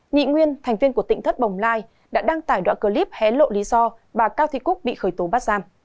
nhị nguyên thành viên của tỉnh thất bồng lai đã đăng tải đoạn clip hé lộ lý do bà cao thị cúc bị khởi tố bắt giam